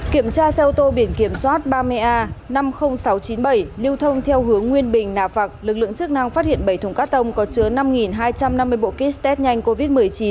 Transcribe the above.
kiểm tra xe ô tô biển kiểm soát ba mươi a năm mươi nghìn sáu trăm chín mươi bảy lưu thông theo hướng nguyên bình nà phạc lực lượng chức năng phát hiện bảy thùng cắt tông có chứa năm hai trăm năm mươi bộ kit test nhanh covid một mươi chín